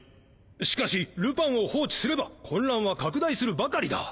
しかしルパンを放置すれば混乱は拡大するばかりだ！